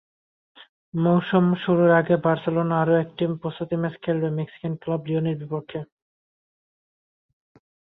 মৌসুম শুরুর আগে বার্সেলোনা আরও একটি প্রস্তুতি ম্যাচ খেলবে মেক্সিকান ক্লাব লিওনের বিপক্ষে।